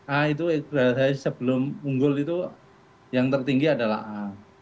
a itu berhasil sebelum unggul itu yang tertinggi adalah a